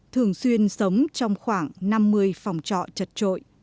thường xuyên sống trong khoảng năm mươi phòng trọ chật trội